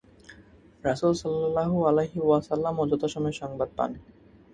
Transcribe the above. রাসূল সাল্লাল্লাহু আলাইহি ওয়াসাল্লামও যথাসময়ে সংবাদ পান।